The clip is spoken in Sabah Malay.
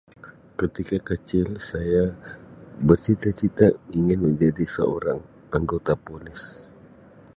Ketika kecil saya bercita-cita ingin menjadi seorang anggota Polis.